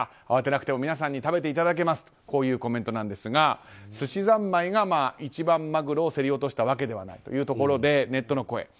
慌てなくても皆さんに食べていただけますというコメントですがすしざんまいが一番マグロを競り落としたわけではないというところでネットの声。